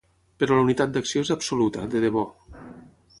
Però la unitat d’acció és absoluta, de debò.